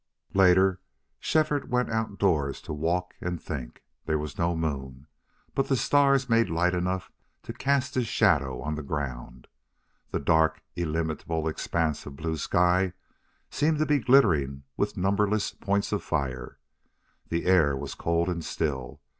Later Shefford went outdoors to walk and think. There was no moon, but the stars made light enough to cast his shadow on the ground. The dark, illimitable expanse of blue sky seemed to be glittering with numberless points of fire. The air was cold and still.